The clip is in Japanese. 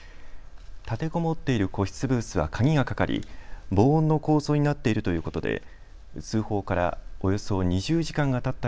立てこもっている個室ブースは鍵がかかり防音の構造になっているということで、通報からおよそ２０時間がたった